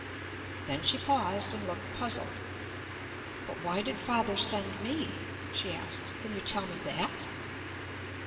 Then she paused, and looked puzzled. "But why did father send me?" she asked. "Can you tell me that?"